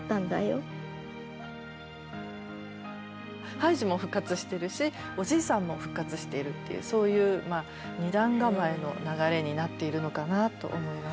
ハイジも復活してるしおじいさんも復活しているというそういうまあ二段構えの流れになっているのかなと思います。